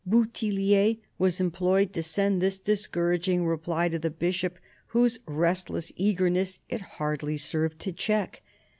Bouthillier was employed to send this discouraging reply to the Bishop, whose restless eagerness it hardly served to check.